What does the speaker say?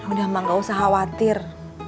udah emang gak usah khawatir